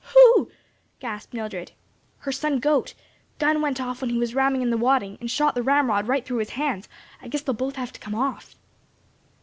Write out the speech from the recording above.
"Who?" gasped Mildred. "Her son Gote; gun went off while he was ramming in the wadding and shot the ramrod right through his hands; I guess they'll both have to come off."